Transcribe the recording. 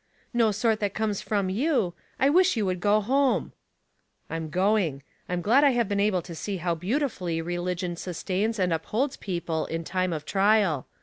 " No sort that comes from you. I wish you would go home." I'm going. I'm glad to have been able to 302 Household Puzzle§. see how beautifully religion sustains and upholds people in time of trial.